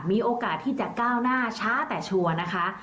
มีโอกาสที่จะก้าวหน้าช้าแต่ชัวร์นะคะ